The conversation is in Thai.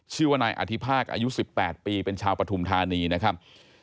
ชื่อว่านายอธิภาคอายุ๑๘ปีเป็นชาวปฐุมธานีนะครับ